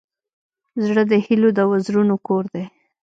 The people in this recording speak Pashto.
زړه د هيلو د وزرونو کور دی.